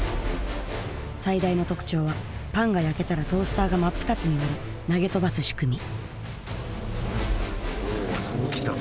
最大の特徴はパンが焼けたらトースターが真っ二つに割れ投げ飛ばす仕組み